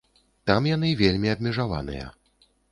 Там яны вельмі абмежаваныя.